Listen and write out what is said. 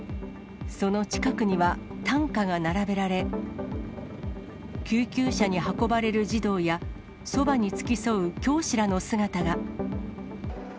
その近くには担架が並べられ、救急車に運ばれる児童や、そばに付き添う教師らの姿が。